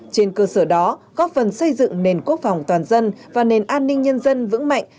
trên cơ sở đó góp phần xây dựng nền quốc phòng toàn dân và nền an ninh nhân dân vững mạnh